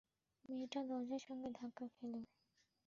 মেয়েটা দরজার সঙ্গে ধাক্কা খেল।